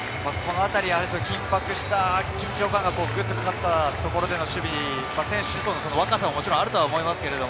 緊迫した緊張感がぐっとかかったところでの守備、選手層の若さもあると思いますが。